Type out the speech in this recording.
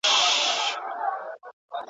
ستا او د ابا کیسه د میني، کورنۍ ,